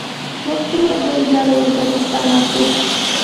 موږ څومره بریښنا له ازبکستان اخلو؟